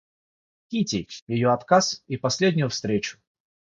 Кити, ее отказ и последнюю встречу.